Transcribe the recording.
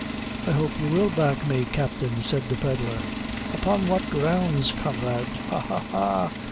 "I hope you will back me, captain," said the pedlar. "Upon what grounds, comrade? Ha, ha, ha!